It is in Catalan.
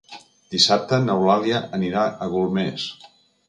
Dissabte n'Eulàlia anirà a Golmés.